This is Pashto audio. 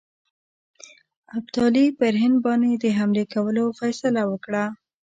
ابدالي پر هند باندي د حملې کولو فیصله وکړه.